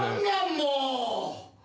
もう！